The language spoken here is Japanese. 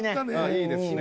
いいですね。